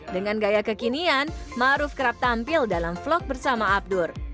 dengan gaya kekinian maruf kerap tampil dalam vlog bersama abdur